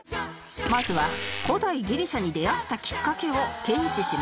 まずは古代ギリシャに出会ったきっかけを検知します